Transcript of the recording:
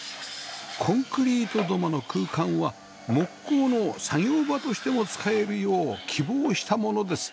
コンクリート土間の空間は木工の作業場としても使えるよう希望したものです